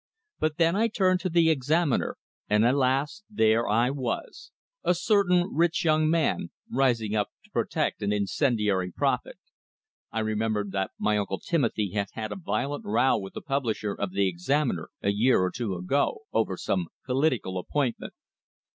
But then I turned to the "Examiner," and alas, there I was! "A certain rich young man," rising up to protect an incendiary prophet! I remembered that my Uncle Timothy had had a violent row with the publisher of the "Examiner" a year or two ago, over some political appointment!